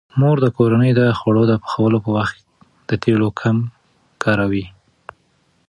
مور د کورنۍ د خوړو د پخولو په وخت د تیلو کم کاروي.